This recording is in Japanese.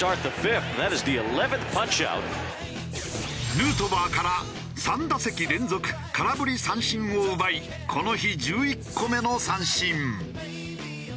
ヌートバーから３打席連続空振り三振を奪いこの日１１個目の三振。